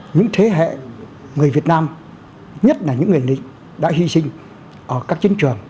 những thế hệ người việt nam nhất là những người lính đã hy sinh ở các chiến trường